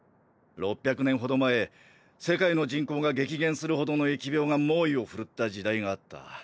６００年ほど前世界の人口が激減するほどの疫病が猛威を振るった時代があった。